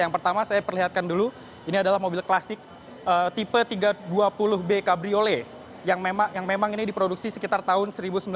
yang pertama saya perlihatkan dulu ini adalah mobil klasik tipe tiga ratus dua puluh b cabriolet yang memang ini diproduksi sekitar tahun seribu sembilan ratus tiga puluh enam sampai dengan seribu sembilan ratus tiga puluh tujuh